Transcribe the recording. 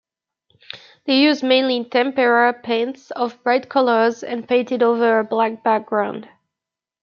They used mainly tempera paints of bright colors and painted over a black background.